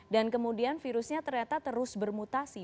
dan kemudian virusnya ternyata terus bermutasi